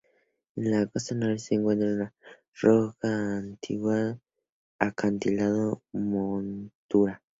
En la costa noreste se encuentra la roca Ataúd y el acantilado Montura.